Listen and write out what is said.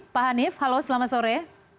pak hanif halo selamat sore